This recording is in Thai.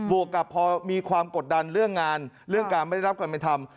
วกกับพอมีความกดดันเรื่องงานเรื่องการไม่ได้รับความเป็นธรรม